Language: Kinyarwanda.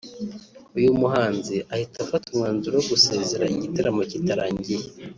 uyu muhanzi ahita afata umwanzuro wo gusezera igitaramo kitarangiye